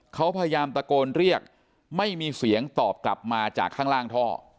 เขาพยายามตะโกนเรียกไม่มีเสียงตอบกลับมาจากข้างล่างท่อ